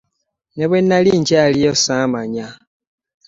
Ne bwe nnali nkyaliyo ssaamanya.